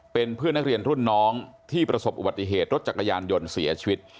เป็นเพื่อนนักเรียนรุ่นน้องที่ประสบอุบัติเหตุรถจักรยานยนต์เสียชีวิต